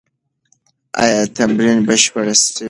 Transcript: ایا تمرین بشپړ سوی؟